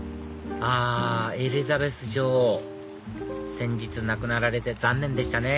あエリザベス女王先日亡くなられて残念でしたね